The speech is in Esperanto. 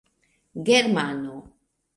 germano